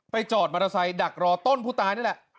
จอดมอเตอร์ไซค์ดักรอต้นผู้ตายนี่แหละ